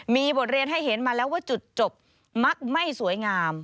มีบทเรียนให้เห็นมาแล้วว่าจุดจบมักไม่สวยงาม